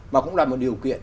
mà cũng là một điều kiện